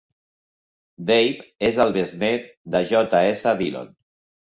Dave és el besnet de J. S. Dillon.